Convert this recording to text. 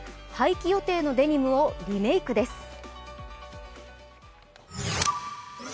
廃棄予定のデニムをリメークです。